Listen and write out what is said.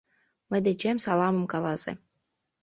Мый дечем саламым каласе.